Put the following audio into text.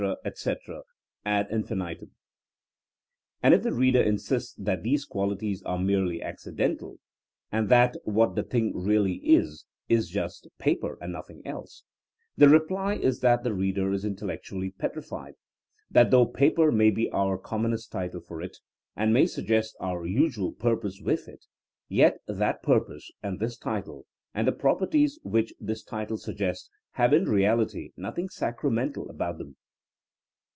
etc., ad i/nfinitum/^ ^ And if the reader insist that these qualities are merely accidental, *' and that what the ^Principlea of Psychology, Vol. II, p. 332. THINKINa AS A SOIENOE 19 thing really is, is just paper and nothing else, the reply is that the reader is intellectually pet rified; that though paper may be our com monest title for it and may suggest our usual purpose with it, yet that purpose and this title and the properties which this title suggest have in reality nothing sacramental about them.